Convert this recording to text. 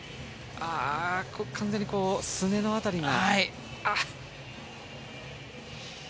完全にすねの辺りに。